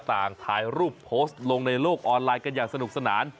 ถ่ายรูปโพสต์ลงในโลกออนไลน์กันอย่างสนุกสนาน